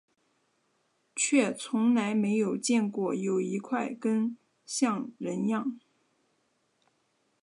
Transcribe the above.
却从来没有见过有一块根像人样